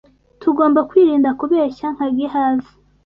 tugomba kwirinda kubeshya nka Gehazi